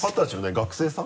学生さん？